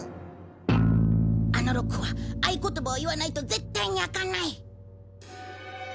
あのロックは合言葉を言わないと絶対に開かない。